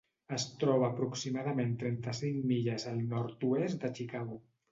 Es troba aproximadament trenta-cinc milles al nord-oest de Chicago.